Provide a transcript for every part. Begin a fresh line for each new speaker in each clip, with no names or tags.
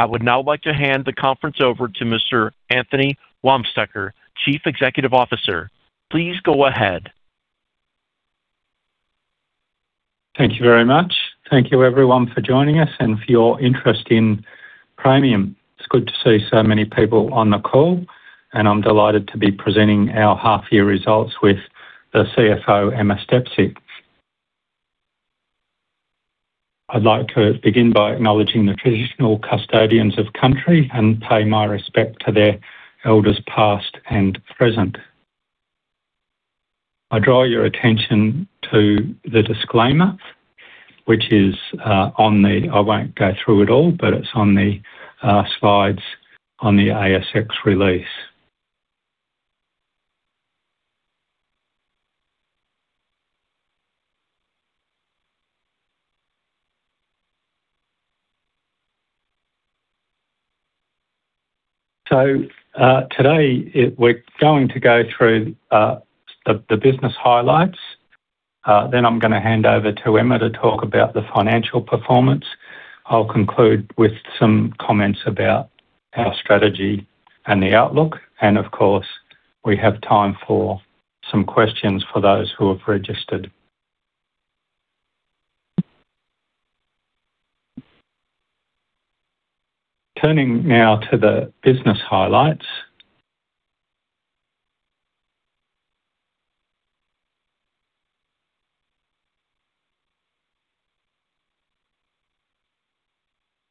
I would now like to hand the conference over to Mr. Anthony Wamsteker, Chief Executive Officer. Please go ahead.
Thank you very much. Thank you everyone for joining us and for your interest in Praemium. It's good to see so many people on the call, and I'm delighted to be presenting our half year results with the CFO, Emma Stepcic. I'd like to begin by acknowledging the traditional custodians of country and pay my respect to their elders, past and present. I draw your attention to the disclaimer. I won't go through it all, but it's on the slides on the ASX release. Today, we're going to go through the business highlights. I'm gonna hand over to Emma to talk about the financial performance. I'll conclude with some comments about our strategy and the outlook, and of course, we have time for some questions for those who have registered. Turning now to the business highlights.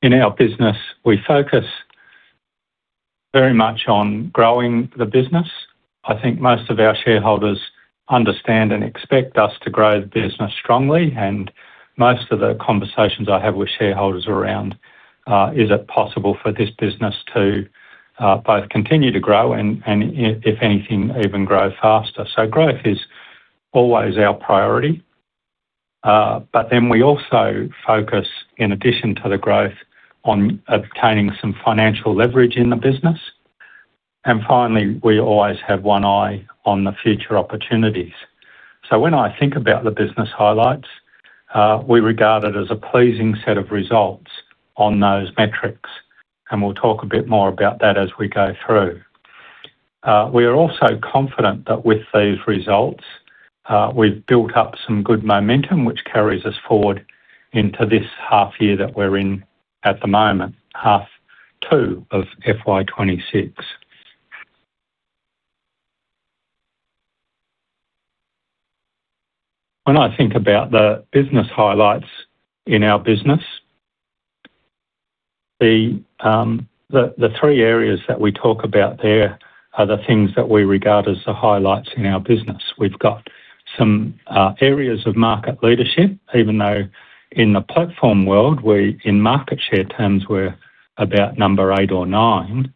In our business, we focus very much on growing the business. I think most of our shareholders understand and expect us to grow the business strongly, and most of the conversations I have with shareholders around, is it possible for this business to, both continue to grow and, and if anything, even grow faster? Growth is always our priority, but then we also focus, in addition to the growth, on obtaining some financial leverage in the business. Finally, we always have one eye on the future opportunities. When I think about the business highlights, we regard it as a pleasing set of results on those metrics, and we'll talk a bit more about that as we go through. We are also confident that with these results, we've built up some good momentum, which carries us forward into this half year that we're in at the moment, H2 of FY26. When I think about the business highlights in our business, the, the three areas that we talk about there are the things that we regard as the highlights in our business. We've got some areas of market leadership, even though in the platform world, we're-- in market share terms, we're about number eight or nine.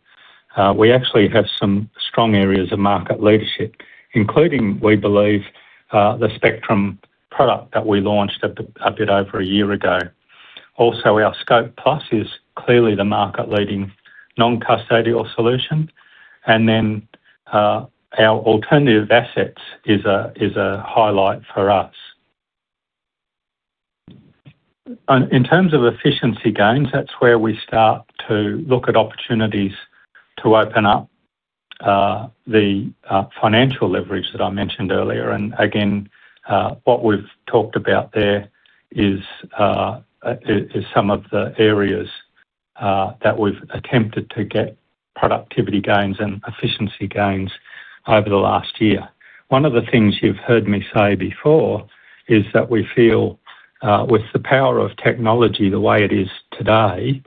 We actually have some strong areas of market leadership, including, we believe, the Spectrum product that we launched at the, a bit over a year ago. Also, our Scope+ is clearly the market-leading non-custodial solution, and then, our alternative assets is a, is a highlight for us. In terms of efficiency gains, that's where we start to look at opportunities to open up the financial leverage that I mentioned earlier. Again, what we've talked about there is, is some of the areas that we've attempted to get productivity gains and efficiency gains over the last year. One of the things you've heard me say before is that we feel with the power of technology the way it is today,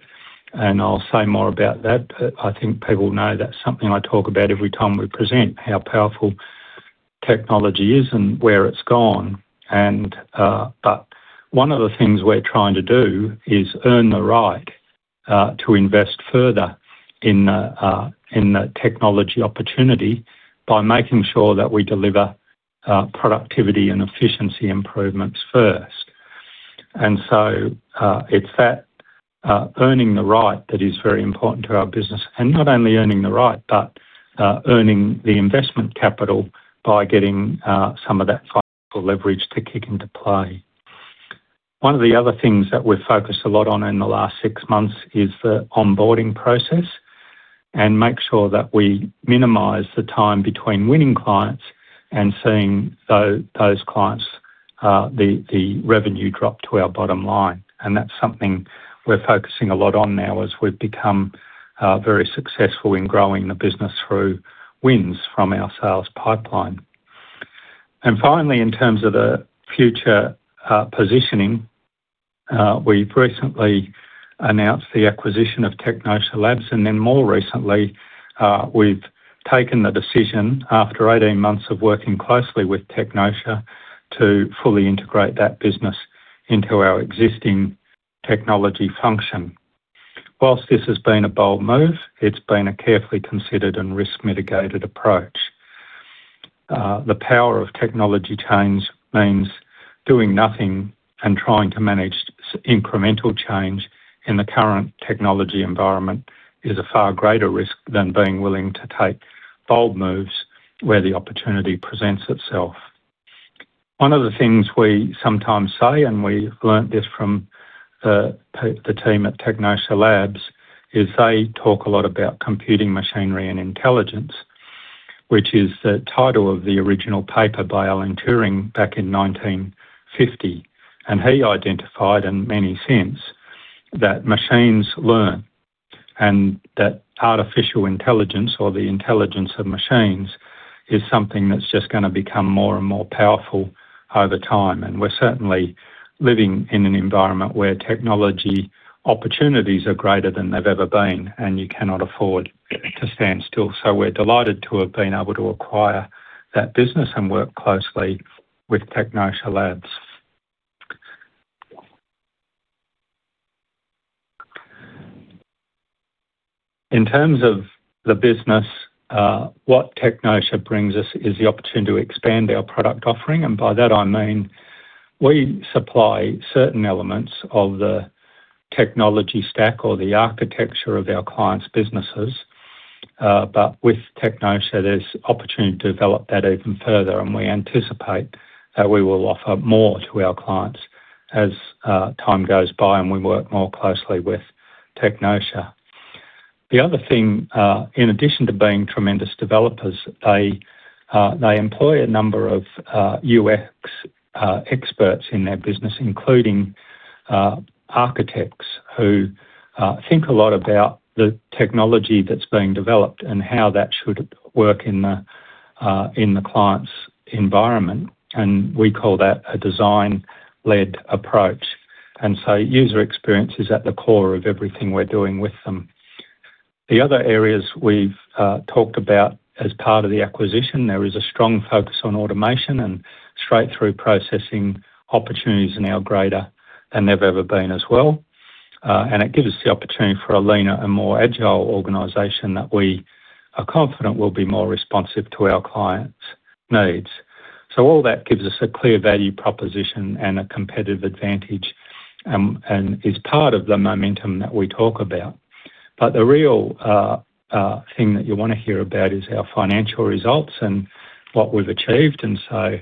and I'll say more about that, but I think people know that's something I talk about every time we present, how powerful technology is and where it's gone. One of the things we're trying to do is earn the right to invest further in the technology opportunity by making sure that we deliver productivity and efficiency improvements first. It's that earning the right that is very important to our business, and not only earning the right, but earning the investment capital by getting some of that financial leverage to kick into play. One of the other things that we've focused a lot on in the last six months is the onboarding process, and make sure that we minimize the time between winning clients and seeing those clients, the revenue drop to our bottom line. That's something we're focusing a lot on now as we've become very successful in growing the business through wins from our sales pipeline. Finally, in terms of the future, positioning, we've recently announced the acquisition of Technotia Labs, more recently, we've taken the decision, after 18 months of working closely with Technotia, to fully integrate that business into our existing technology function. Whilst this has been a bold move, it's been a carefully considered and risk-mitigated approach. The power of technology change means doing nothing and trying to manage incremental change in the current technology environment is a far greater risk than being willing to take bold moves where the opportunity presents itself. One of the things we sometimes say, and we learned this from the team at Technotia Labs, is they talk a lot about Computing Machinery and Intelligence, which is the title of the original paper by Alan Turing back in 1950. He identified in many sense, that machines learn, and that artificial intelligence or the intelligence of machines is something that's just going to become more and more powerful over time. We're certainly living in an environment where technology opportunities are greater than they've ever been, and you cannot afford to stand still. We're delighted to have been able to acquire that business and work closely with Technotia Labs. In terms of the business, what Technotia brings us is the opportunity to expand our product offering, and by that I mean we supply certain elements of the technology stack or the architecture of our clients' businesses. With Technotia, there's opportunity to develop that even further, and we anticipate that we will offer more to our clients as time goes by and we work more closely with Technotia. The other thing, in addition to being tremendous developers, they, they employ a number of UX experts in their business including architects who think a lot about the technology that's being developed and how that should work in the client's environment, and we call that a design-led approach. User experience is at the core of everything we're doing with them. The other areas we've talked about as part of the acquisition, there is a strong focus on automation and straight-through processing. Opportunities are now greater than they've ever been as well, and it gives us the opportunity for a leaner and more agile organization that we are confident will be more responsive to our clients' needs. All that gives us a clear value proposition and a competitive advantage, and is part of the momentum that we talk about. The real thing that you want to hear about is our financial results and what we've achieved, and so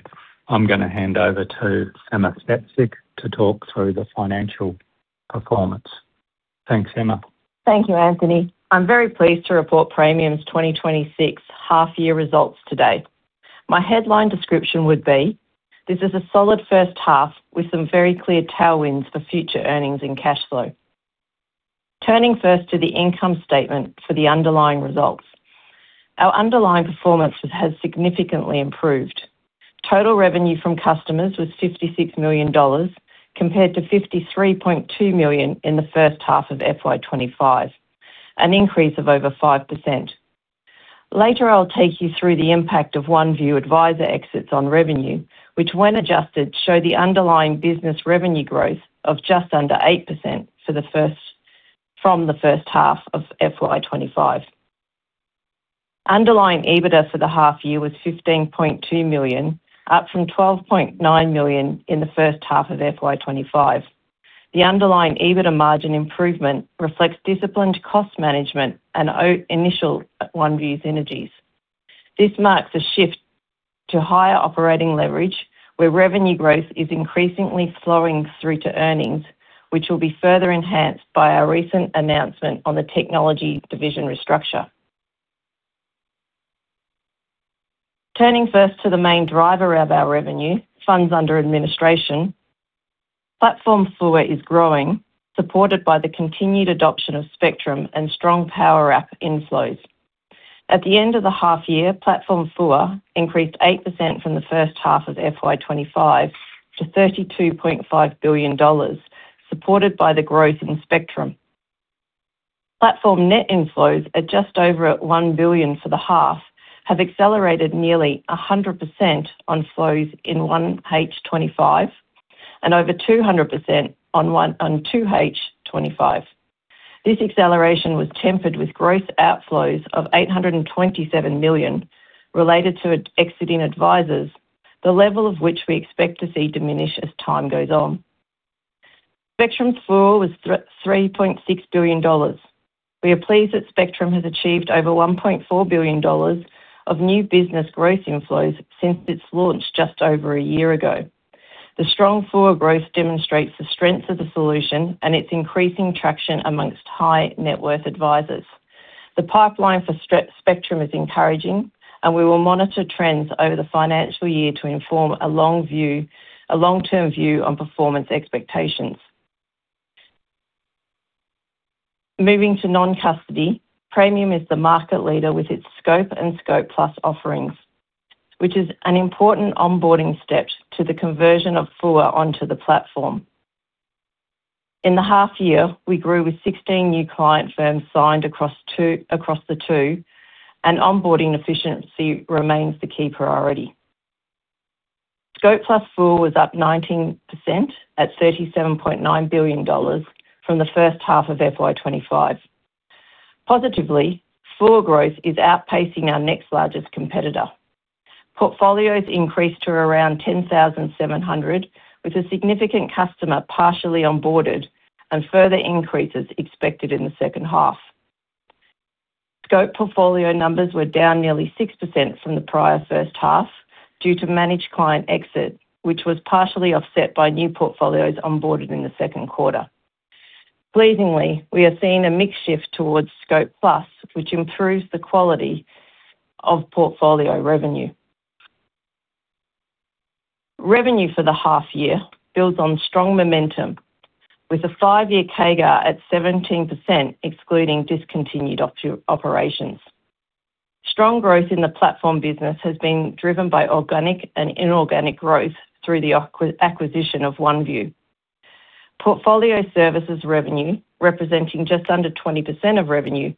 I'm going to hand over to Emma Stepcic to talk through the financial performance. Thanks, Emma.
Thank you, Anthony. I'm very pleased to report Praemium's 2026 half year results today. My headline description would be: This is a solid first half with some very clear tailwinds for future earnings and cash flow. Turning first to the income statement for the underlying results. Our underlying performance has significantly improved. Total revenue from customers was 56 million dollars, compared to 53.2 million in the first half of FY25, an increase of over 5%. Later, I'll take you through the impact of OneVue Advisor exits on revenue, which, when adjusted, show the underlying business revenue growth of just under 8% from the first half of FY25. Underlying EBITDA for the half year was 15.2 million, up from 12.9 million in the first half of FY25. The underlying EBITDA margin improvement reflects disciplined cost management and initial OneVue synergies. This marks a shift to higher operating leverage, where revenue growth is increasingly flowing through to earnings, which will be further enhanced by our recent announcement on the technology division restructure. Turning first to the main driver of our revenue, funds under administration. Platform FUA is growing, supported by the continued adoption of Spectrum and strong Powerwrap inflows. At the end of the half year, platform FUA increased 8% from the first half of FY25 to 32.5 billion dollars, supported by the growth in Spectrum. Platform net inflows are just over 1 billion for the half, have accelerated nearly 100% on flows in H1 2025 and over 200% on H2 2025. This acceleration was tempered with gross outflows of 827 million related to exiting advisors, the level of which we expect to see diminish as time goes on. Spectrum FUA was 3.6 billion dollars. We are pleased that Spectrum has achieved over 1.4 billion dollars of new business growth inflows since its launch just over a year ago. The strong FUA growth demonstrates the strength of the solution and its increasing traction amongst high net worth advisors. The pipeline for Spectrum is encouraging, and we will monitor trends over the financial year to inform a long view, a long-term view on performance expectations. Moving to non-custody, Praemium is the market leader with its Scope and Scope+ offerings, which is an important onboarding step to the conversion of FUA onto the platform. In the half year, we grew with 16 new client firms signed across the two, onboarding efficiency remains the key priority. Scope+ FUA was up 19% at 37.9 billion dollars from the first half of FY25. Positively, FUA growth is outpacing our next largest competitor. Portfolios increased to around 10,700, with a significant customer partially onboarded and further increases expected in the second half. Scope portfolio numbers were down nearly 6% from the prior first half, due to managed client exit, which was partially offset by new portfolios onboarded in the second quarter. Pleasingly, we are seeing a mix shift towards Scope+, which improves the quality of portfolio revenue. Revenue for the half year builds on strong momentum, with a five-year CAGR at 17%, excluding discontinued operations. Strong growth in the platform business has been driven by organic and inorganic growth through the acquisition of OneVue. Portfolio services revenue, representing just under 20% of revenue,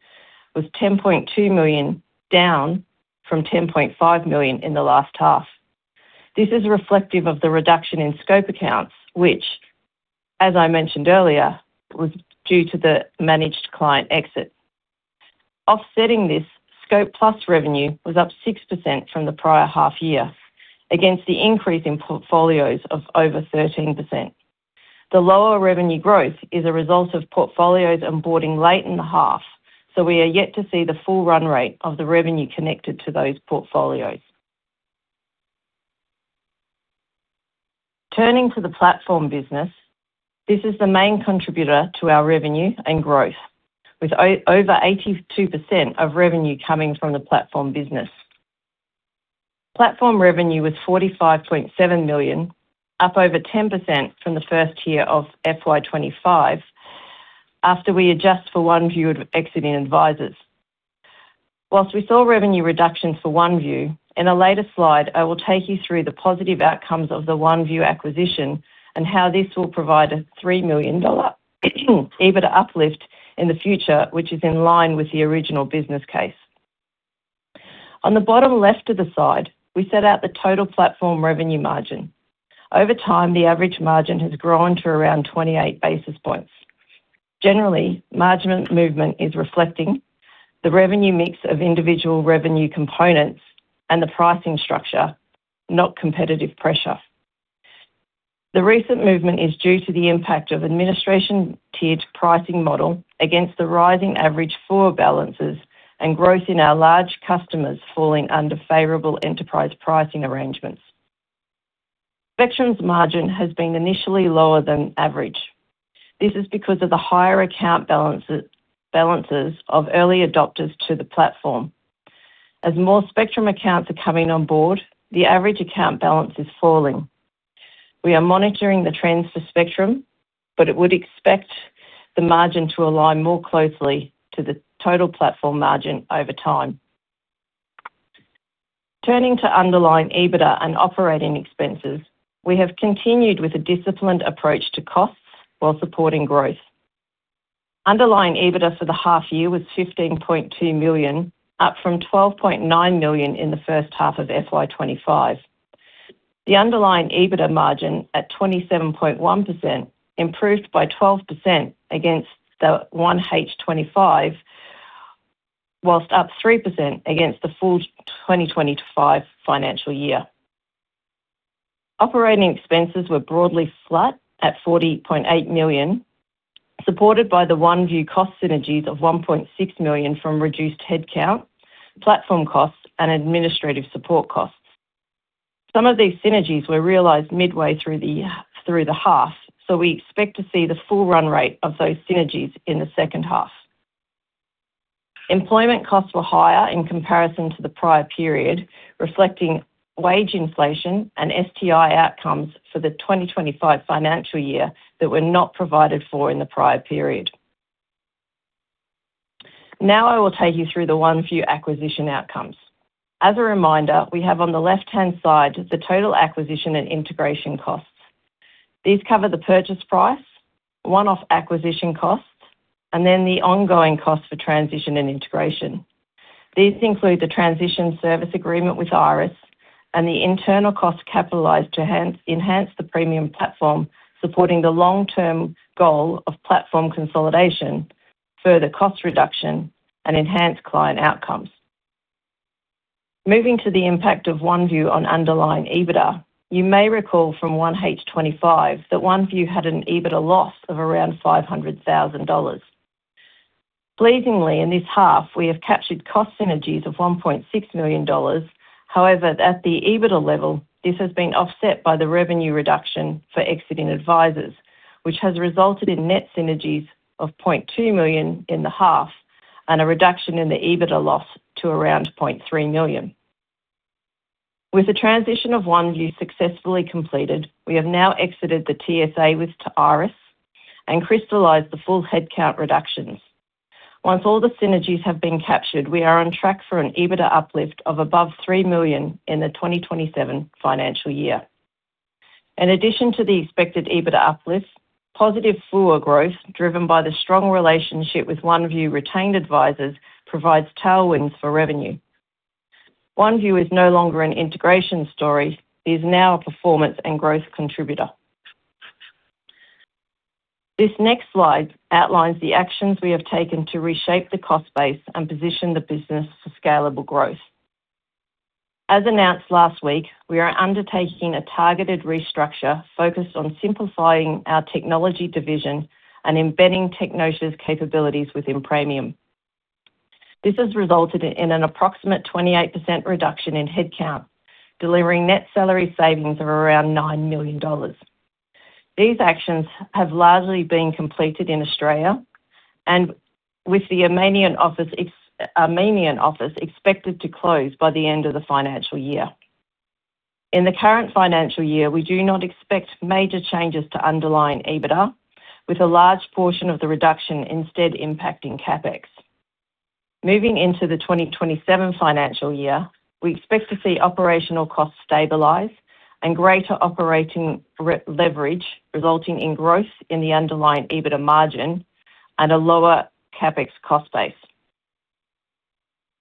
was 10.2 million, down from 10.5 million in the last half. This is reflective of the reduction in Scope accounts, which, as I mentioned earlier, was due to the managed client exit. Offsetting this, Scope+ revenue was up 6% from the prior half year, against the increase in portfolios of over 13%. The lower revenue growth is a result of portfolios onboarding late in the half, so we are yet to see the full run rate of the revenue connected to those portfolios. Turning to the platform business, this is the main contributor to our revenue and growth, with over 82% of revenue coming from the platform business. Platform revenue was 45.7 million, up over 10% from the first year of FY25, after we adjust for OneVue of exiting advisors. Whilst we saw revenue reductions for OneVue, in a later slide, I will take you through the positive outcomes of the OneVue acquisition and how this will provide a 3 million dollar EBITDA uplift in the future, which is in line with the original business case. On the bottom left of the side, we set out the total platform revenue margin. Over time, the average margin has grown to around 28 basis points. Generally, margin movement is reflecting the revenue mix of individual revenue components and the pricing structure, not competitive pressure. The recent movement is due to the impact of administration tiered pricing model against the rising average FUA balances and growth in our large customers falling under favorable enterprise pricing arrangements. Spectrum's margin has been initially lower than average. This is because of the higher account balances, balances of early adopters to the platform. As more Spectrum accounts are coming on board, the average account balance is falling. We are monitoring the trends for Spectrum, but it would expect the margin to align more closely to the total platform margin over time. Turning to underlying EBITDA and operating expenses, we have continued with a disciplined approach to costs while supporting growth. Underlying EBITDA for the half year was 15.2 million, up from 12.9 million in the first half of FY25. The underlying EBITDA margin, at 27.1%, improved by 12% against the H1 2025, whilst up 3% against the full FY25. Operating expenses were broadly flat at 40.8 million, supported by the OneVue cost synergies of 1.6 million from reduced headcount, platform costs, and administrative support costs. Some of these synergies were realized midway through the half, we expect to see the full run rate of those synergies in the second half. Employment costs were higher in comparison to the prior period, reflecting wage inflation and STI outcomes for the 2025 financial year that were not provided for in the prior period. I will take you through the OneVue acquisition outcomes. As a reminder, we have on the left-hand side, the total acquisition and integration costs. These cover the purchase price, one-off acquisition costs, and then the ongoing costs for transition and integration. These include the transition service agreement with Iress and the internal costs capitalized to hence, enhance the Praemium platform, supporting the long-term goal of platform consolidation, further cost reduction and enhanced client outcomes. Moving to the impact of OneVue on underlying EBITDA, you may recall from H1 2025, that OneVue had an EBITDA loss of around 500,000 dollars. Pleasingly, in this half, we have captured cost synergies of 1.6 million dollars. At the EBITDA level, this has been offset by the revenue reduction for exiting advisors, which has resulted in net synergies of 0.2 million in the half and a reduction in the EBITDA loss to around 0.3 million. With the transition of OneVue successfully completed, we have now exited the TSA with to Iress and crystallized the full headcount reductions. Once all the synergies have been captured, we are on track for an EBITDA uplift of above 3 million in the 2027 financial year. In addition to the expected EBITDA uplift, positive FUA growth, driven by the strong relationship with OneVue retained advisors, provides tailwinds for revenue. OneVue is no longer an integration story, it is now a performance and growth contributor. This next slide outlines the actions we have taken to reshape the cost base and position the business for scalable growth. As announced last week, we are undertaking a targeted restructure focused on simplifying our technology division and embedding Technotia's capabilities within Praemium. This has resulted in an approximate 28% reduction in headcount, delivering net salary savings of around 9 million dollars. These actions have largely been completed in Australia, with the Armenian office expected to close by the end of the financial year. In the current financial year, we do not expect major changes to underlying EBITDA, with a large portion of the reduction instead impacting CapEx. Moving into the 2027 financial year, we expect to see operational costs stabilize and greater operating re-leverage, resulting in growth in the underlying EBITDA margin and a lower CapEx cost base.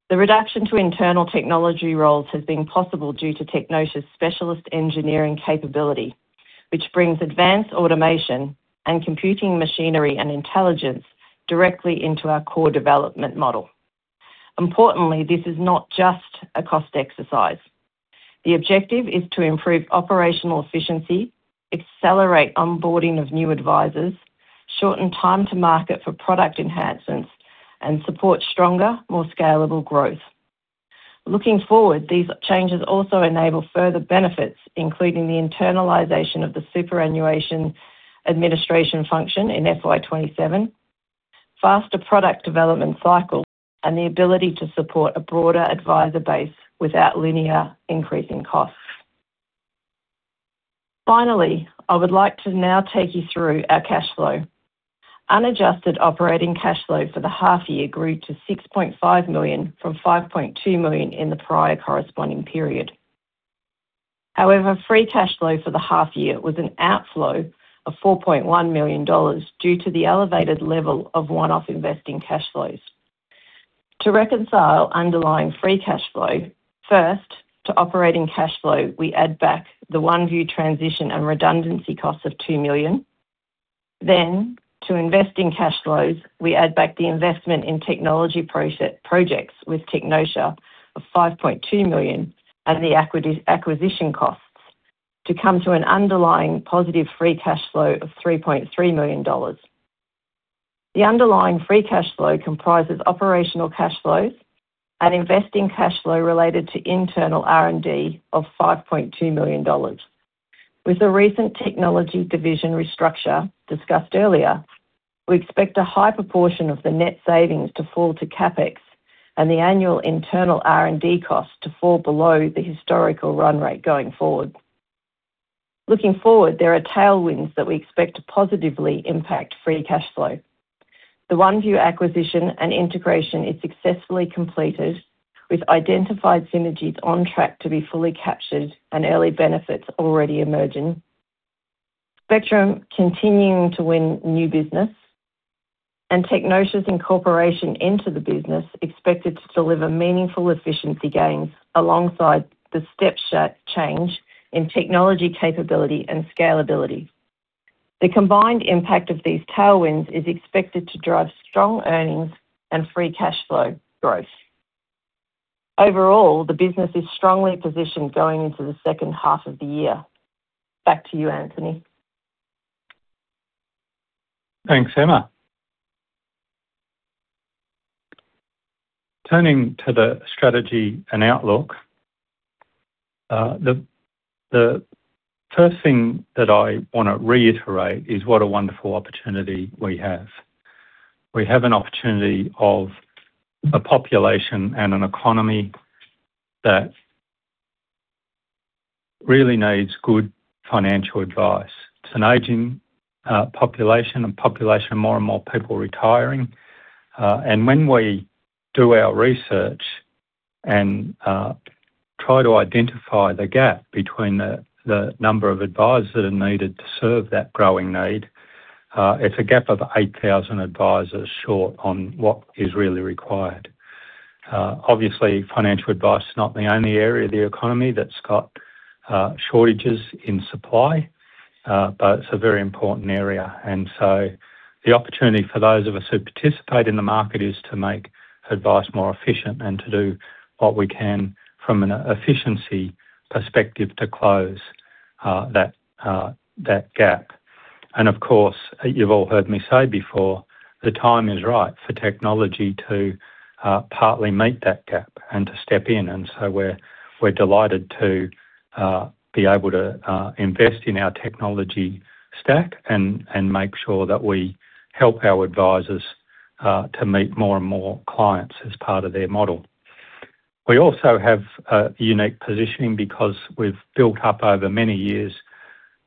The reduction to internal technology roles has been possible due to Technotia's specialist engineering capability, which brings advanced automation and computing machinery and intelligence directly into our core development model. Importantly, this is not just a cost exercise. The objective is to improve operational efficiency, accelerate onboarding of new advisors, shorten time to market for product enhancements, and support stronger, more scalable growth. Looking forward, these changes also enable further benefits, including the internalization of the superannuation administration function in FY27, faster product development cycles, and the ability to support a broader advisor base without linear increasing costs. Finally, I would like to now take you through our cash flow. Unadjusted operating cash flow for the half year grew to 6.5 million, from 5.2 million in the prior corresponding period. However, free cash flow for the half year was an outflow of 4.1 million dollars due to the elevated level of one-off investing cash flows. To reconcile underlying free cash flow, first, to operating cash flow, we add back the OneVue transition and redundancy costs of 2 million. To investing cash flows, we add back the investment in technology projects with Technotia of 5.2 million and the acquisition costs, to come to an underlying positive free cash flow of 3.3 million dollars. The underlying free cash flow comprises operational cash flows and investing cash flow related to internal R&D of 5.2 million dollars. With the recent technology division restructure discussed earlier, we expect a high proportion of the net savings to fall to CapEx and the annual internal R&D cost to fall below the historical run rate going forward. Looking forward, there are tailwinds that we expect to positively impact free cash flow. The OneVue acquisition and integration is successfully completed, with identified synergies on track to be fully captured and early benefits already emerging. Spectrum continuing to win new business and Technotia's incorporation into the business expected to deliver meaningful efficiency gains alongside the step change in technology capability and scalability. The combined impact of these tailwinds is expected to drive strong earnings and free cash flow growth. Overall, the business is strongly positioned going into the second half of the year. Back to you, Anthony.
Thanks, Emma. Turning to the strategy and outlook, the first thing that I wanna reiterate is what a wonderful opportunity we have. We have an opportunity of a population and an economy that really needs good financial advice. It's an aging population, a population of more and more people retiring. When we do our research and try to identify the gap between the number of advisors that are needed to serve that growing need, it's a gap of 8,000 advisors short on what is really required. Obviously, financial advice is not the only area of the economy that's got shortages in supply, but it's a very important area. The opportunity for those of us who participate in the market is to make advice more efficient and to do what we can from an efficiency perspective, to close that gap. Of course, you've all heard me say before, the time is right for technology to partly meet that gap and to step in, and so we're delighted to be able to invest in our technology stack and make sure that we help our advisors to meet more and more clients as part of their model. We also have a unique positioning because we've built up over many years,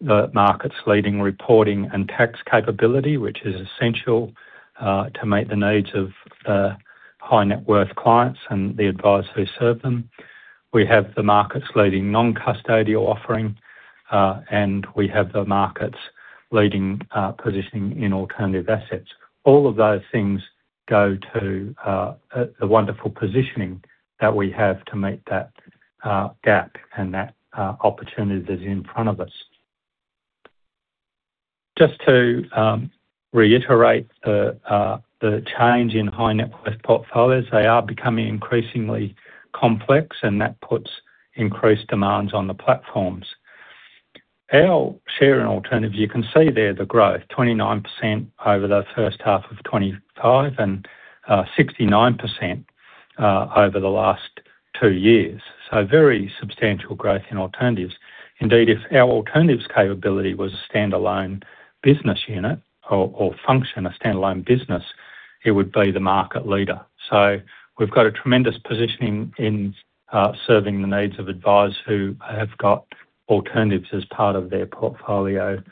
the market's leading reporting and tax capability, which is essential to meet the needs of the high net worth clients and the advisors who serve them. We have the market's leading non-custodial offering, and we have the market's leading positioning in alternative assets. All of those things go to a wonderful positioning that we have to meet that gap and that opportunity that's in front of us. Just to reiterate the change in high net worth portfolios, they are becoming increasingly complex, and that puts increased demands on the platforms. Our share in alternatives, you can see there the growth, 29% over the H1 2025 and 69% over the last two years. Very substantial growth in alternatives. Indeed, if our alternatives capability was a standalone business unit or function, a standalone business, it would be the market leader. We've got a tremendous positioning in serving the needs of advisors who have got alternatives as part of their portfolio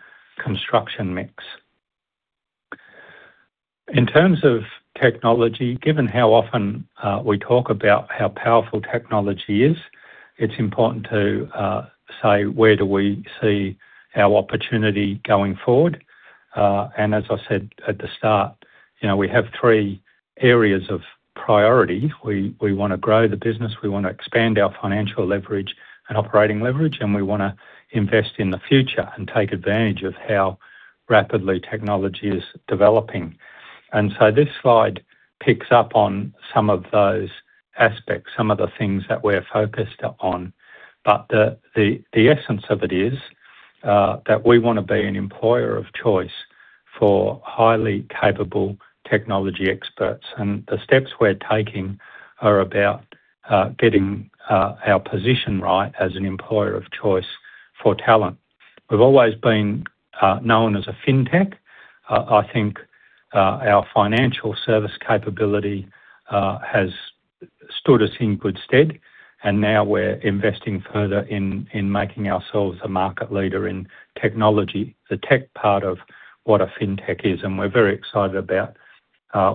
construction mix. In terms of technology, given how often we talk about how powerful technology is, it's important to say, where do we see our opportunity going forward? As I said at the start, you know, we have three areas of priority. We, we wanna grow the business, we want to expand our financial leverage and operating leverage, and we wanna invest in the future and take advantage of how rapidly technology is developing. This slide picks up on some of those aspects, some of the things that we're focused on. The, the, the essence of it is that we want to be an employer of choice for highly capable technology experts, and the steps we're taking are about getting our position right as an employer of choice for talent. We've always been known as a fintech. I think our financial service capability has stood us in good stead, and now we're investing further in, in making ourselves a market leader in technology, the tech part of what a fintech is, and we're very excited about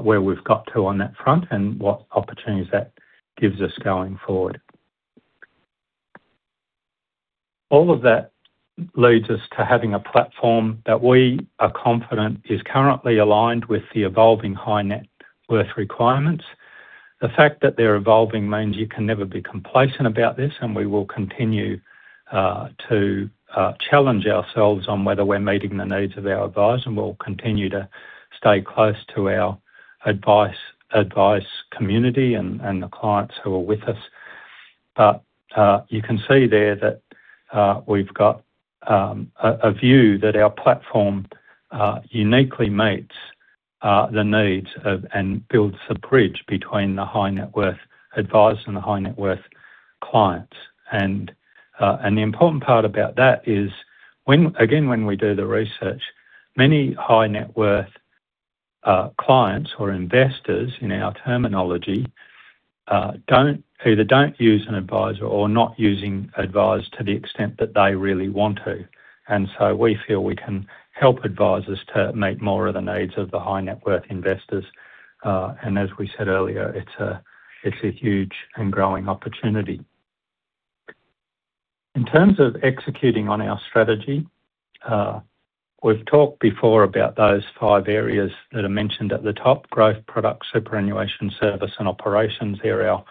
where we've got to on that front and what opportunities that gives us going forward. All of that leads us to having a platform that we are confident is currently aligned with the evolving high net worth requirements. The fact that they're evolving means you can never be complacent about this. We will continue to challenge ourselves on whether we're meeting the needs of our advisors, and we'll continue to stay close to our advice, advice community and, and the clients who are with us. You can see there that we've got a view that our platform uniquely meets the needs of and builds the bridge between the high net worth advisors and the high net worth clients. The important part about that is when... Again, when we do the research, many high net worth clients or investors in our terminology, don't, either don't use an advisor or are not using advisors to the extent that they really want to. So we feel we can help advisors to meet more of the needs of the high-net-worth investors. As we said earlier, it's a, it's a huge and growing opportunity. In terms of executing on our strategy, we've talked before about those five areas that are mentioned at the top: growth, product, superannuation, service, and operations. They're our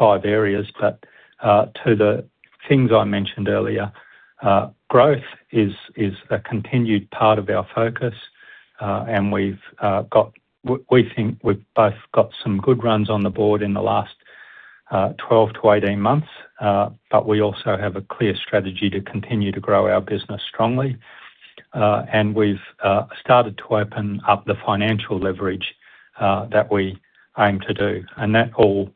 five areas, but to the things I mentioned earlier, growth is, is a continued part of our focus, and we've got we, we think we've both got some good runs on the board in the last 12-18 months, but we also have a clear strategy to continue to grow our business strongly. We've started to open up the financial leverage that we aim to do, and that all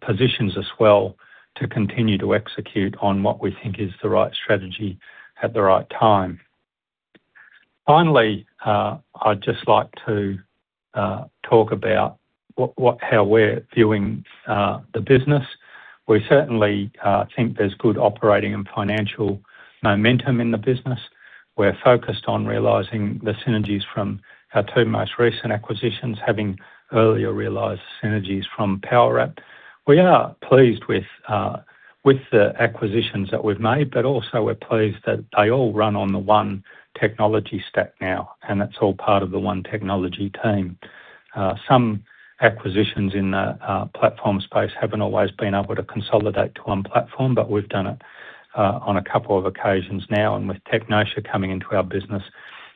positions us well to continue to execute on what we think is the right strategy at the right time. Finally, I'd just like to talk about how we're viewing the business. We certainly think there's good operating and financial momentum in the business. We're focused on realizing the synergies from our two most recent acquisitions, having earlier realized synergies from Powerwrap. We are pleased with the acquisitions that we've made, but also we're pleased that they all run on the one technology stack now, and it's all part of the one technology team. Some acquisitions in the platform space haven't always been able to consolidate to one platform, we've done it on a couple of occasions now, and with Technotia coming into our business,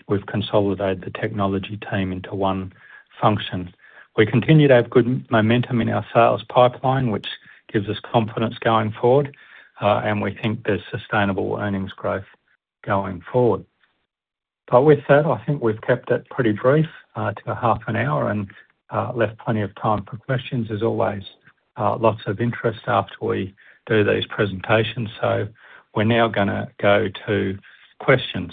we've consolidated the technology team into one function. We continue to have good momentum in our sales pipeline, which gives us confidence going forward, and we think there's sustainable earnings growth going forward. With that, I think we've kept it pretty brief, to a half an hour and left plenty of time for questions. There's always lots of interest after we do these presentations. We're now gonna go to questions.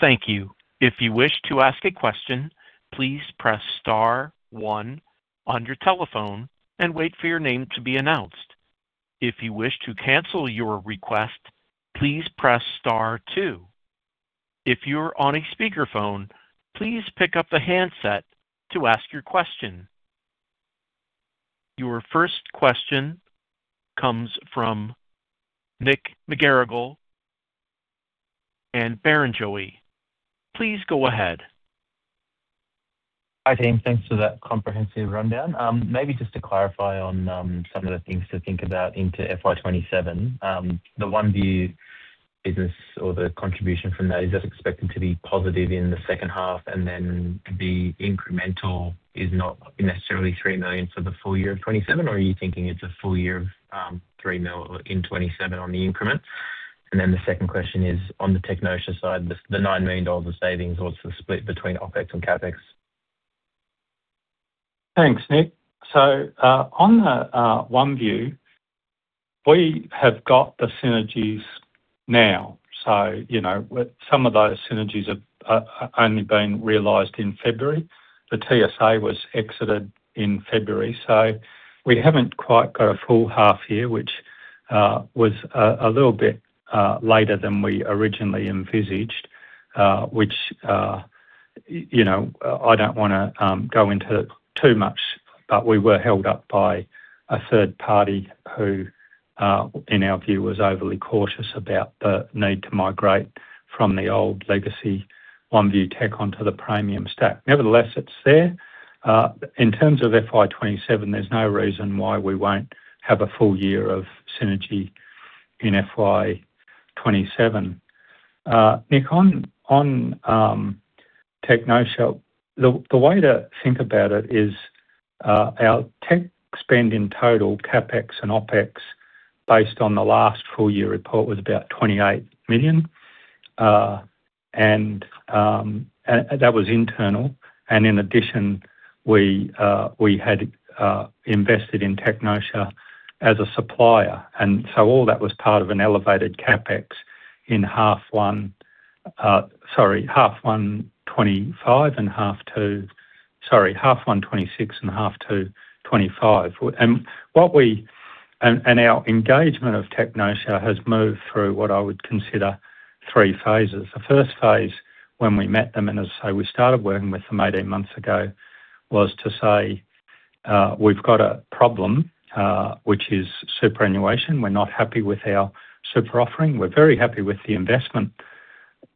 Thank you. If you wish to ask a question, please press star one on your telephone and wait for your name to be announced. If you wish to cancel your request, please press star two. If you're on a speakerphone, please pick up the handset to ask your question. Your first question comes from Nick McGarrigle from Barrenjoey. Please go ahead.
Hi, team. Thanks for that comprehensive rundown. Maybe just to clarify on, some of the things to think about into FY27. The OneVue business or the contribution from that, is that expected to be positive in the second half, then the incremental is not necessarily 3 million for the full year of 2027? Or are you thinking it's a full year of 3 million in 2027 on the increment? The second question is on the Technotia side, the, the 9 million dollars of savings, what's the split between OpEx and CapEx?
Thanks, Nick. On the OneVue, we have got the synergies now. You know, with some of those synergies have only been realized in February. The TSA was exited in February, so we haven't quite got a full half year, which was a little bit later than we originally envisaged. Which, you know, I don't wanna go into too much, but we were held up by a third party who, in our view, was overly cautious about the need to migrate from the old legacy OneVue tech onto the Praemium stack. Nevertheless, it's there. In terms of FY27, there's no reason why we won't have a full year of synergy in FY27. Nick, on, on Technotia, the way to think about it is, our tech spend in total, CapEx and OpEx, based on the last full year report, was about 28 million. And that was internal, and in addition, we had invested in Technotia as a supplier, and so all that was part of an elevated CapEx in H1 2025, sorry, H1 2026 and H2 2025. And what we— And, and our engagement of Technotia has moved through what I would consider three phases. The first phase, when we met them, and as I say, we started working with them 18 months ago, was to say, "We've got a problem, which is superannuation. We're not happy with our super offering. We're very happy with the investment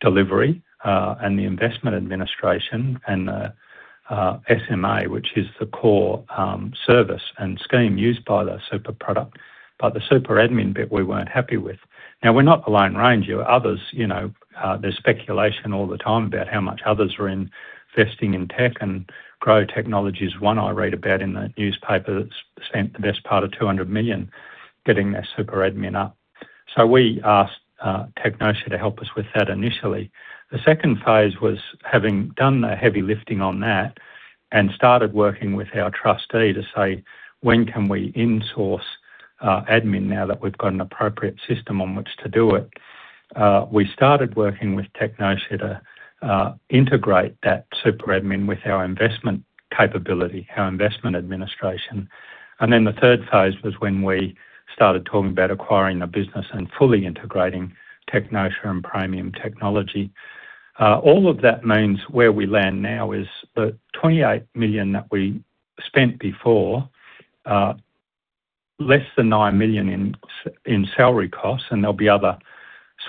delivery, and the investment administration and the SMA, which is the core service and scheme used by the super product. The super admin bit, we weren't happy with. Now, we're not the lone ranger. Others, you know, there's speculation all the time about how much others are investing in tech and growth. Technology is one I read about in the newspaper that's spent the best part of 200 million getting their super admin up. We asked Technotia to help us with that initially. The second phase was having done the heavy lifting on that and started working with our trustee to say, "When can we insource admin, now that we've got an appropriate system on which to do it?" We started working with Technotia to integrate that super admin with our investment capability, our investment administration. The third phase was when we started talking about acquiring the business and fully integrating Technotia and Praemium technology. All of that means where we land now is the 28 million that we spent before, less than 9 million in salary costs, and there'll be other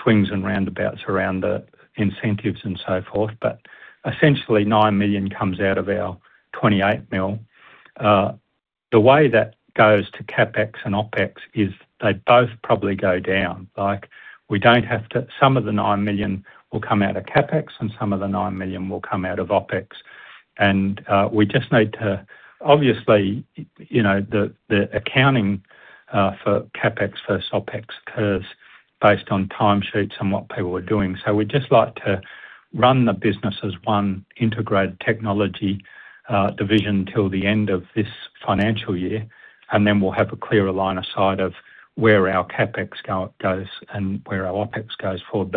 swings and roundabouts around the incentives and so forth, but essentially, 9 million comes out of our 28 million. The way that goes to CapEx and OpEx is they both probably go down. Like, we don't have to-- Some of the 9 million will come out of CapEx, and some of the 9 million will come out of OpEx. We just need to. Obviously, you know, the, the accounting, for CapEx versus OpEx curves based on time sheets and what people are doing. We'd just like to run the business as one integrated technology, division till the end of this financial year, and then we'll have a clearer line of sight of where our CapEx go, goes, and where our OpEx goes forward.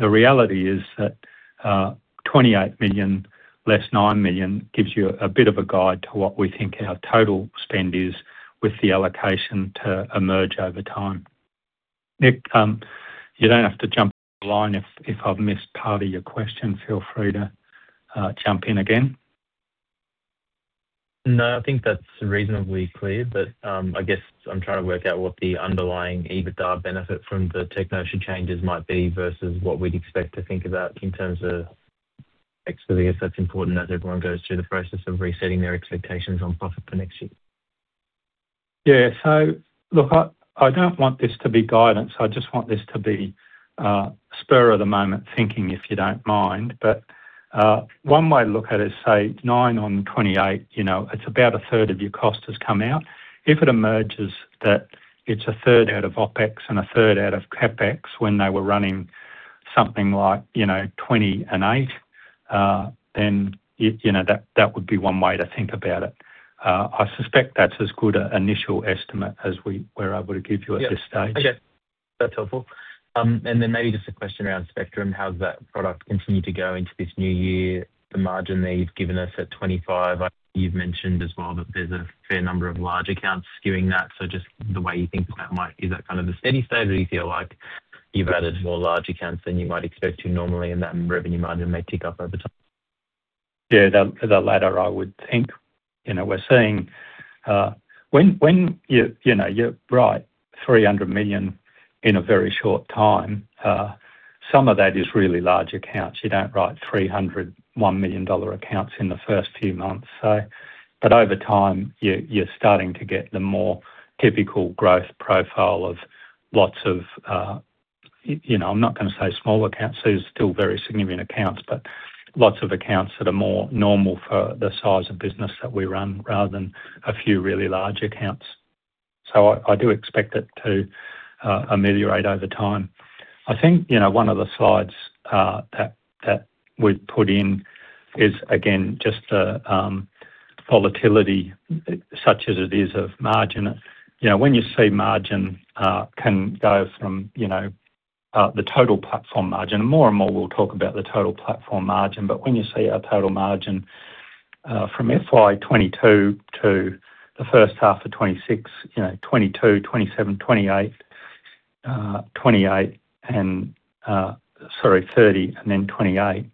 The reality is that, 28 million less 9 million gives you a bit of a guide to what we think our total spend is with the allocation to emerge over time. Nick, you don't have to jump the line. If, if I've missed part of your question, feel free to jump in again.
No, I think that's reasonably clear, but, I guess I'm trying to work out what the underlying EBITDA benefit from the Technotia changes might be versus what we'd expect to think about in terms of ex-divi, if that's important, as everyone goes through the process of resetting their expectations on profit for next year.
Look, I, I don't want this to be guidance. I just want this to be spur of the moment thinking, if you don't mind. One way to look at it is, say, nine on 28, you know, it's about a third of your cost has come out. If it emerges that it's a third out of OpEx and a third out of CapEx, when they were running something like, you know, 20 and eight, you, you know, that, that would be one way to think about it. I suspect that's as good an initial estimate as we were able to give you at this stage.
Yeah. Okay. That's helpful. Then maybe just a question around Spectrum. How does that product continue to go into this new year? The margin there you've given us at 25%. You've mentioned as well that there's a fair number of large accounts skewing that, so just the way you think that might. Is that kind of a steady state, or you feel like you've added more large accounts than you might expect to normally, and that revenue margin may tick up over time?
Yeah, that, that latter, I would think. You know, we're seeing, when, when you, you know, you write 300 million in a very short time, some of that is really large accounts. You don't write 300 1 million dollar accounts in the first few months. But over time, you're, you're starting to get the more typical growth profile of lots of, you know, I'm not going to say small accounts, these are still very significant accounts, but lots of accounts that are more normal for the size of business that we run, rather than a few really large accounts. I, I do expect it to ameliorate over time. I think, you know, one of the slides, that, that we've put in is, again, just the volatility, such as it is of margin. You know, when you see margin, can go from, you know, the total platform margin, more and more, we'll talk about the total platform margin, but when you see our total margin, from FY22 to H1 2026, you know, 22%, 27%, 28%, 28%, 30%, and then 28%.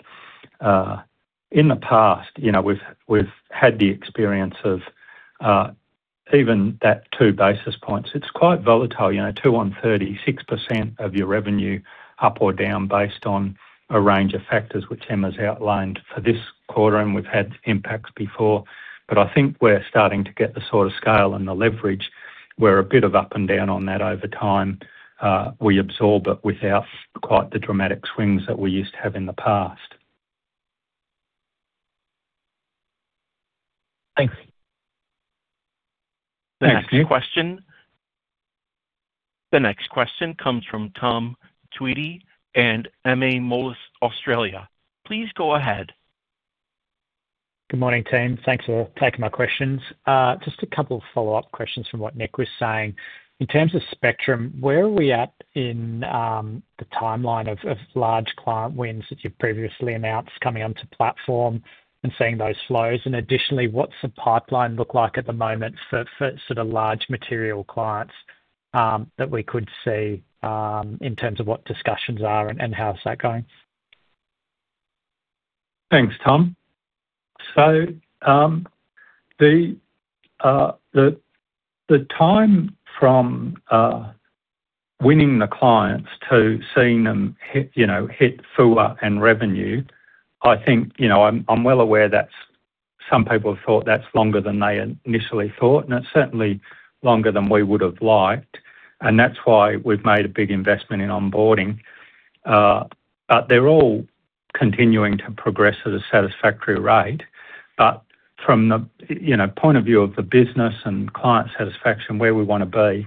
In the past, you know, we've, we've had the experience of, even that 2 basis points, it's quite volatile, you know, two on 30, 6% of your revenue up or down based on a range of factors, which Emma's outlined for this quarter. We've had impacts before. I think we're starting to get the sort of scale and the leverage, where a bit of up and down on that over time, we absorb it without quite the dramatic swings that we used to have in the past.
Thanks.
The next question. The next question comes from Tom Tweedie in MA Moelis Australia. Please go ahead.
Good morning, team. Thanks for taking my questions. Just a couple of follow-up questions from what Nick was saying. In terms of Spectrum, where are we at in the timeline of, of large client wins that you've previously announced, coming onto platform and seeing those flows? Additionally, what's the pipeline look like at the moment for, for sort of large material clients that we could see in terms of what discussions are and, and how's that going?
Thanks, Tom. The, the time from winning the clients to seeing them hit, you know, hit FUA and revenue, I think, you know, I'm, I'm well aware that some people have thought that's longer than they initially thought, and it's certainly longer than we would have liked, and that's why we've made a big investment in onboarding. They're all continuing to progress at a satisfactory rate. From the, you know, point of view of the business and client satisfaction, where we want to be,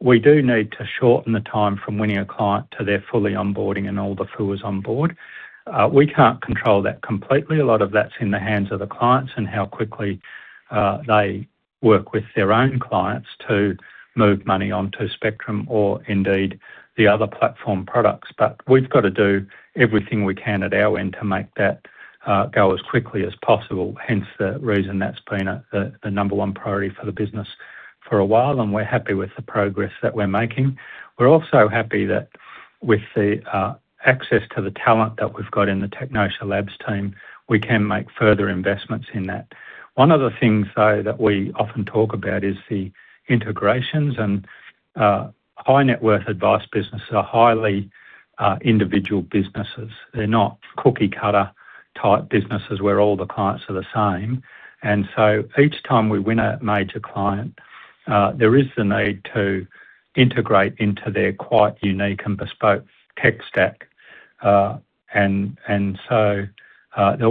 we do need to shorten the time from winning a client to their fully onboarding and all the FUAs on board. We can't control that completely. A lot of that's in the hands of the clients and how quickly they work with their own clients to move money on to Spectrum or indeed, the other platform products. But we've got to do everything we can at our end to make that go as quickly as possible. Hence, the reason that's been a, the, the number one priority for the business for a while, and we're happy with the progress that we're making. We're also happy that with the access to the talent that we've got in the Technotia Labs team, we can make further investments in that. One of the things, though, that we often talk about is the integrations and high net worth advice businesses are highly individual businesses. They're not cookie-cutter type businesses where all the clients are the same. So each time we win a major client, there is the need to integrate into their quite unique and bespoke tech stack. So, there'll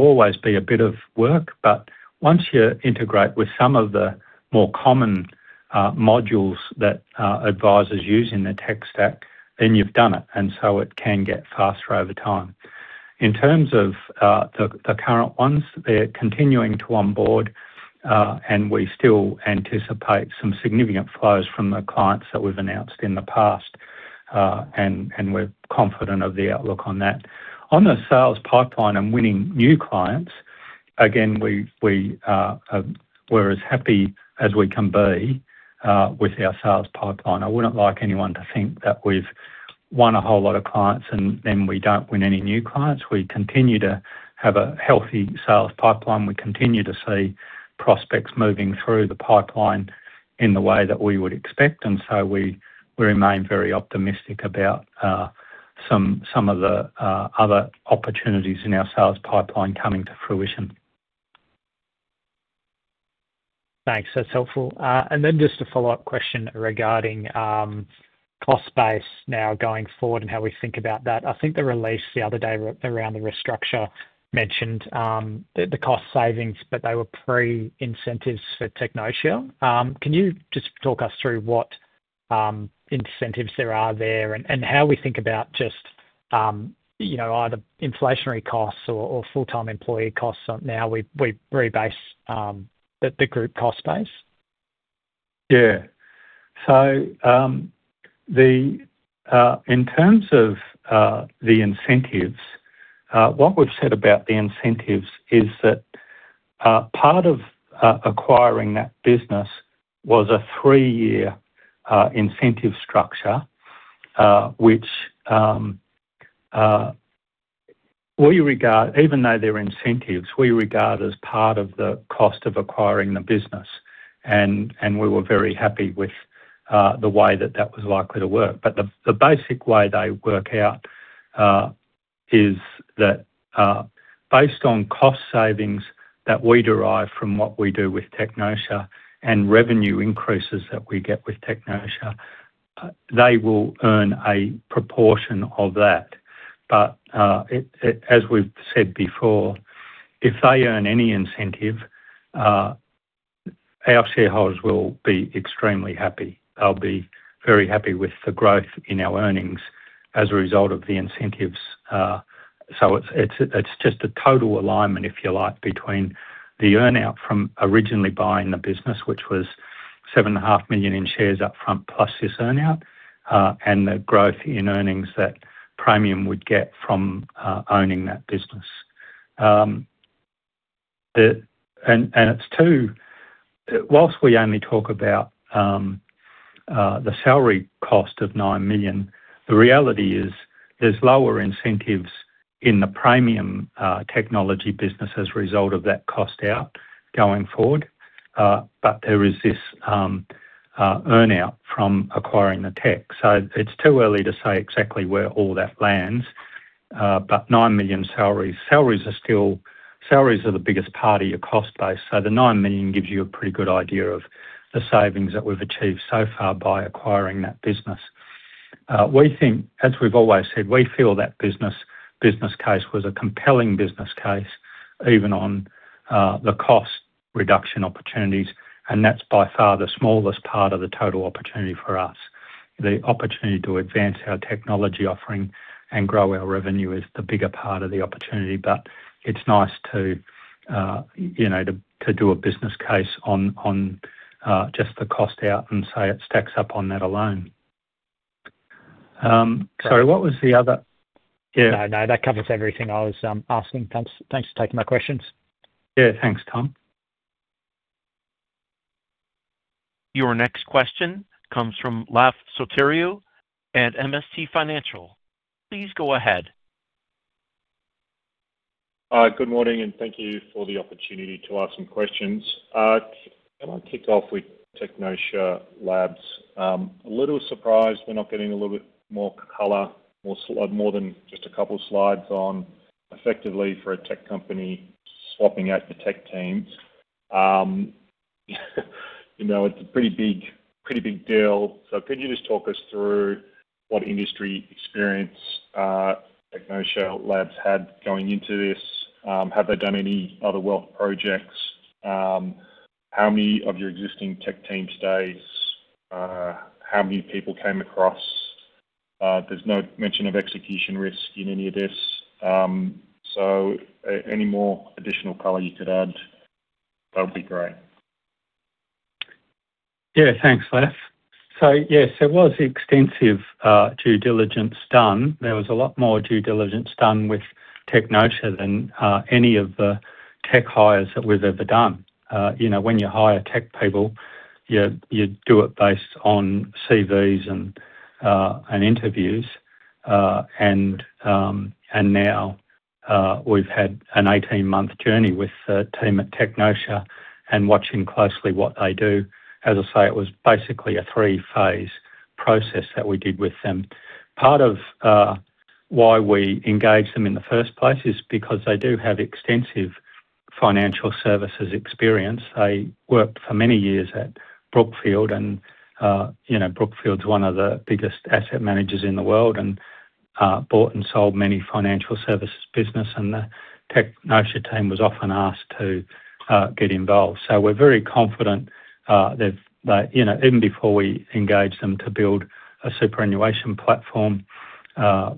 always be a bit of work, but once you integrate with some of the more common modules that advisers use in their tech stack, then you've done it, and so it can get faster over time. In terms of the current ones, they're continuing to onboard, and we still anticipate some significant flows from the clients that we've announced in the past, and, and we're confident of the outlook on that. On the sales pipeline and winning new clients, again, we, we are, we're as happy as we can be with our sales pipeline. I wouldn't like anyone to think that we've won a whole lot of clients and then we don't win any new clients. We continue to have a healthy sales pipeline. We continue to see prospects moving through the pipeline in the way that we would expect. We, we remain very optimistic about some, some of the other opportunities in our sales pipeline coming to fruition.
Thanks. That's helpful. Just a follow-up question regarding cost base now going forward and how we think about that. I think the release the other day around the restructure mentioned the cost savings, but they were pre-incentives for Technotia. Can you just talk us through what incentives there are there and how we think about just either inflationary costs or full-time employee costs now we rebase the group cost base?
Yeah. The in terms of the incentives, what we've said about the incentives is that part of acquiring that business was a three-year incentive structure, which, we regard, even though they're incentives, we regard as part of the cost of acquiring the business, and we were very happy with the way that that was likely to work. The basic way they work out is that based on cost savings that we derive from what we do with Technotia and revenue increases that we get with Technotia, they will earn a proportion of that. It, as we've said before, if they earn any incentive, our shareholders will be extremely happy. They'll be very happy with the growth in our earnings as a result of the incentives. So it's, it's, it's just a total alignment, if you like, between the earn-out from originally buying the business, which was 7.5 million in shares upfront, plus this earn-out, and the growth in earnings that Praemium would get from owning that business. Whilst we only talk about the salary cost of 9 million, the reality is there's lower incentives in the Praemium technology business as a result of that cost out going forward, but there is this earn-out from acquiring the tech. It's too early to say exactly where all that lands, but 9 million salaries. Salaries are still, salaries are the biggest part of your cost base, so the 9 million gives you a pretty good idea of the savings that we've achieved so far by acquiring that business. We think, as we've always said, we feel that business, business case was a compelling business case, even on the cost reduction opportunities, and that's by far the smallest part of the total opportunity for us. The opportunity to advance our technology offering and grow our revenue is the bigger part of the opportunity, but it's nice to, you know, to, to do a business case on, on just the cost out and say it stacks up on that alone. Sorry, what was the other? Yeah.
No, no, that covers everything I was asking. Thanks, thanks for taking my questions.
Yeah. Thanks, Tom.
Your next question comes from Laf Sotiriou at MST Financial. Please go ahead.
Good morning, thank you for the opportunity to ask some questions. Can I kick off with Technotia Laboratories? A little surprised we're not getting a little bit more color, more than just a couple slides on, effectively for a tech company, swapping out the tech teams. You know, it's a pretty big, pretty big deal. Could you just talk us through what industry experience Technotia Laboratories had going into this? Have they done any other wealth projects? How many of your existing tech team stays? How many people came across? There's no mention of execution risk in any of this. Any more additional color you could add, that would be great.
Yeah, thanks, Laf. Yes, there was extensive due diligence done. There was a lot more due diligence done with Technotia than any of the tech hires that we've ever done. You know, when you hire tech people, you, you do it based on CVs and interviews. Now, we've had an 18-month journey with the team at Technotia and watching closely what they do. As I say, it was basically a three-phase process that we did with them. Part of why we engaged them in the first place is because they do have extensive financial services experience. They worked for many years at Brookfield, and, you know, Brookfield's one of the biggest asset managers in the world and bought and sold many financial services business, and the Technotia team was often asked to get involved. We're very confident, that, you know, even before we engaged them to build a superannuation platform,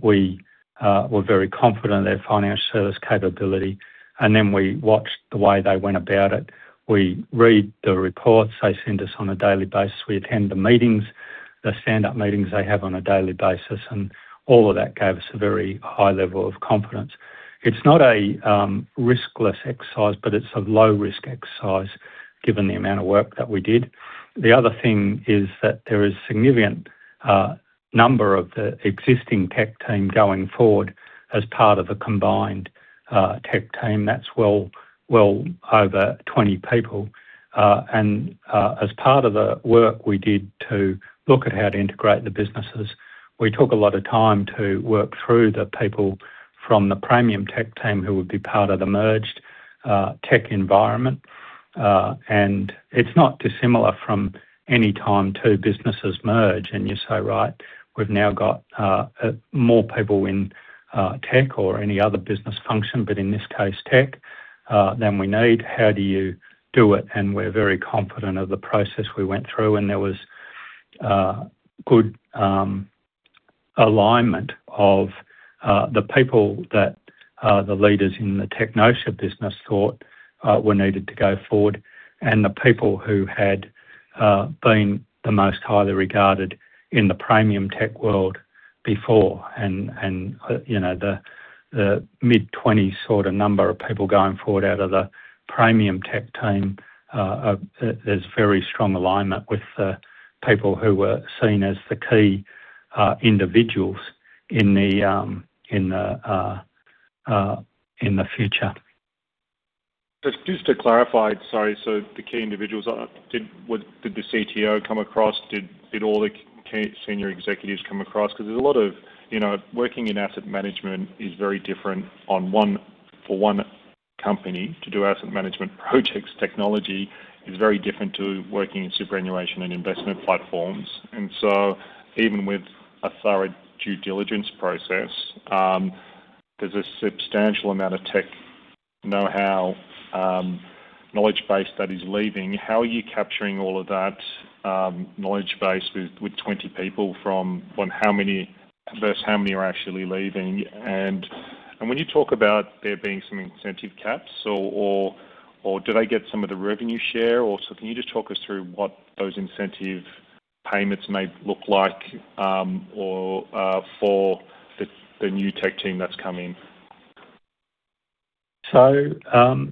we were very confident in their financial service capability, and then we watched the way they went about it. We read the reports they sent us on a daily basis. We attend the meetings, the stand-up meetings they have on a daily basis, and all of that gave us a very high level of confidence. It's not a riskless exercise, but it's a low-risk exercise given the amount of work that we did. The other thing is that there is significant number of the existing tech team going forward as part of a combined tech team that's well, well over 20 people. As part of the work we did to look at how to integrate the businesses, we took a lot of time to work through the people from the Praemium tech team who would be part of the merged tech environment. It's not dissimilar from any time two businesses merge, and you say, "Right, we've now got more people in tech or any other business function, but in this case, tech, than we need. How do you do it?" We're very confident of the process we went through, and there was good alignment of the people that the leaders in the Technotia business thought were needed to go forward, and the people who had been the most highly regarded in the Praemium tech world before. You know, the mid-twenties sort of number of people going forward out of the Praemium tech team, there's very strong alignment with the people who were seen as the key individuals in the future.
Just, just to clarify, sorry, so the key individuals are, did the CTO come across? Did all the key senior executives come across? Because there's a lot of, you know, working in asset management is very different for one company to do asset management projects. Technology is very different to working in superannuation and investment platforms. So even with a thorough due diligence process, there's a substantial amount of tech know-how, knowledge base that is leaving. How are you capturing all of that, knowledge base with, with 20 people from, from how many versus how many are actually leaving? When you talk about there being some incentive caps or, or, or do they get some of the revenue share or so can you just talk us through what those incentive payments may look like, or for the, the new tech team that's coming?
The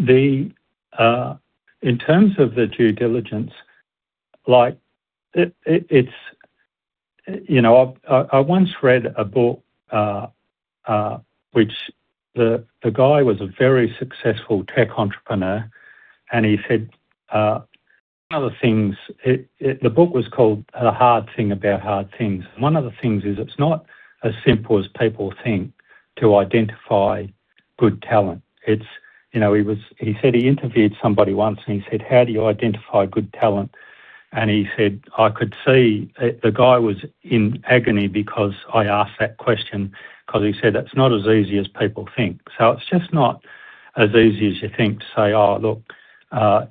in terms of the due diligence, like, you know, I once read a book, which the guy was a very successful tech entrepreneur, and he said, one of the things. The book was called The Hard Thing About Hard Things, and one of the things is it's not as simple as people think to identify good talent. It's, you know, he said he interviewed somebody once, and he said: "How do you identify good talent?" He said, "I could see that the guy was in agony because I asked that question," because he said, "It's not as easy as people think." It's just not as easy as you think to say, "Oh, look,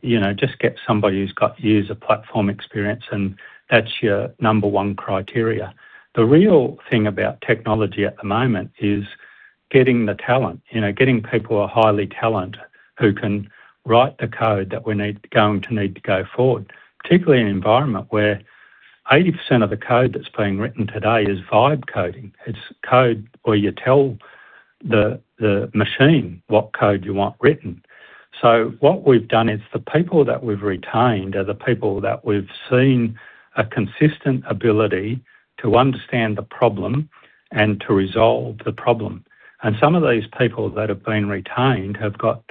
you know, just get somebody who's got years of platform experience, and that's your number one criteria." The real thing about technology at the moment is getting the talent, you know, getting people who are highly talent, who can write the code that we need, going to need to go forward, particularly in an environment where 80% of the code that's being written today is vibe coding. It's code where you tell the, the machine what code you want written. What we've done is the people that we've retained are the people that we've seen a consistent ability to understand the problem and to resolve the problem. Some of these people that have been retained have got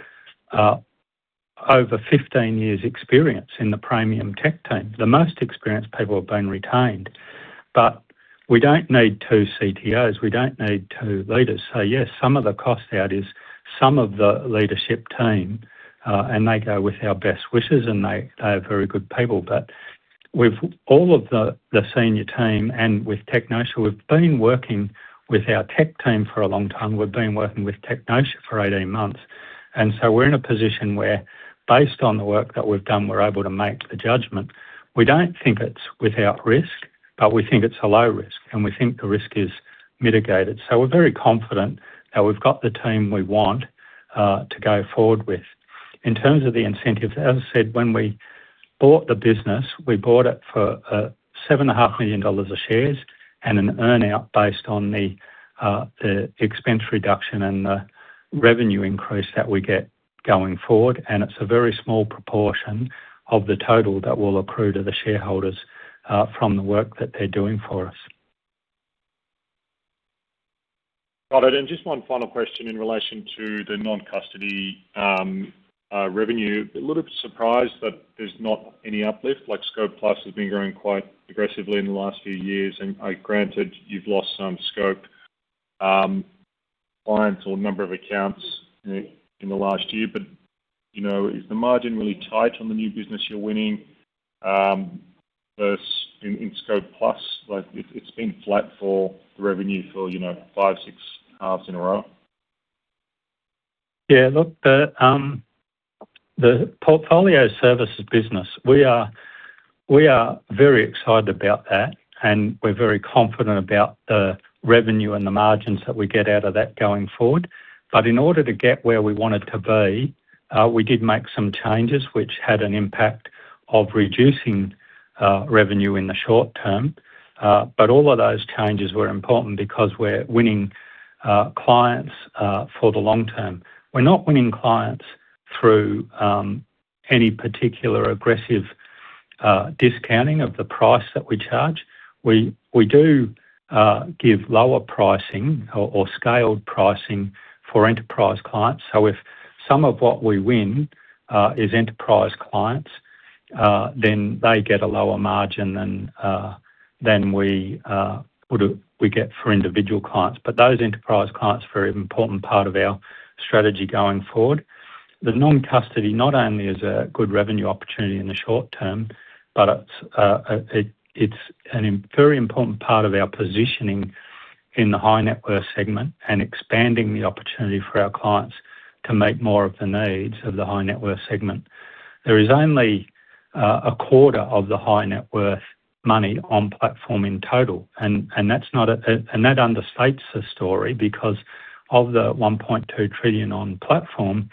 over 15 years experience in the Praemium tech team. The most experienced people have been retained, but we don't need two CTOs. We don't need two leaders. Yes, some of the cost out is some of the leadership team, and they go with our best wishes, and they, they are very good people. With all of the, the senior team and with Technotia, we've been working with our tech team for a long time. We've been working with Technotia for 18 months, and so we're in a position where, based on the work that we've done, we're able to make the judgment. We don't think it's without risk, but we think it's a low risk, and we think the risk is mitigated. We're very confident that we've got the team we want to go forward with. In terms of the incentives, as I said, when we bought the business, we bought it for 7.5 million dollars of shares and an earn-out based on the expense reduction and the revenue increase that we get going forward. It's a very small proportion of the total that will accrue to the shareholders from the work that they're doing for us.
Got it. Just one final question in relation to the non-custody revenue. A little bit surprised that there's not any uplift, like, Scope+ has been growing quite aggressively in the last few years, and granted, you've lost some Scope clients or number of accounts in, in the last year. You know, is the margin really tight on the new business you're winning versus in, in Scope+? Like, it's, it's been flat for the revenue for, you know, five, six halves in a row.
Yeah, look, the portfolio services business, we are, we are very excited about that, and we're very confident about the revenue and the margins that we get out of that going forward. In order to get where we wanted to be, we did make some changes which had an impact of reducing revenue in the short term. All of those changes were important because we're winning clients for the long term. We're not winning clients through any particular aggressive discounting of the price that we charge. We, we do give lower pricing or scaled pricing for enterprise clients. If some of what we win is enterprise clients, then they get a lower margin than we get for individual clients. Those enterprise clients are a very important part of our strategy going forward. The non-custody not only is a good revenue opportunity in the short term, but it's a very important part of our positioning in the high-net-worth segment and expanding the opportunity for our clients to meet more of the needs of the high-net-worth segment. There is only a quarter of the high-net-worth money on platform in total, that understates the story because of the 1.2 trillion on platform,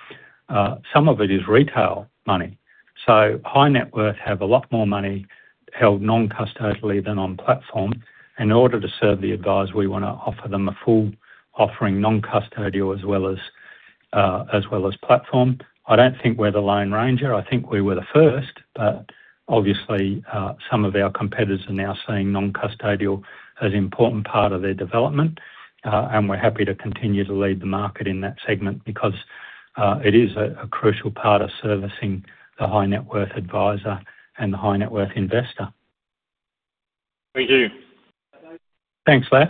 some of it is retail money. High-net-worth have a lot more money held non-custodially than on-platform. In order to serve the advisor, we wanna offer them a full offering, non-custodial as well as as well as platform. I don't think we're the lone ranger. I think we were the first, but obviously, some of our competitors are now seeing non-custodial as an important part of their development, and we're happy to continue to lead the market in that segment because, it is a, a crucial part of servicing the high-net-worth advisor and the high-net-worth investor.
Thank you.
Thanks, Laf.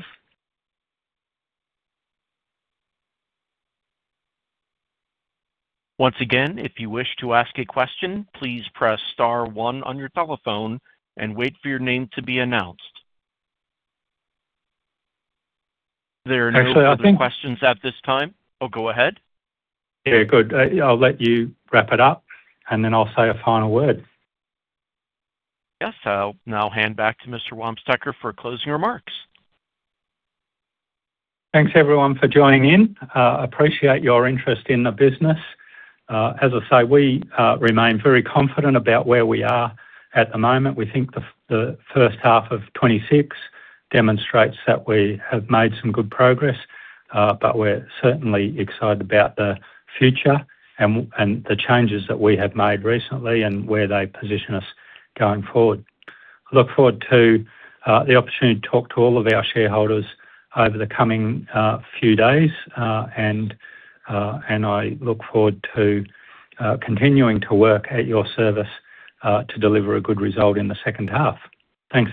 Once again, if you wish to ask a question, please press star one on your telephone and wait for your name to be announced. There are no other questions at this time. Oh, go ahead.
Very good. I'll let you wrap it up, and then I'll say a final word.
Yes, I'll now hand back to Mr. Wamsteker for closing remarks.
Thanks, everyone, for joining in. Appreciate your interest in the business. As I say, we remain very confident about where we are at the moment. We think the first half of 2026 demonstrates that we have made some good progress, but we're certainly excited about the future and the changes that we have made recently and where they position us going forward. I look forward to the opportunity to talk to all of our shareholders over the coming few days, and I look forward to continuing to work at your service to deliver a good result in the second half. Thanks.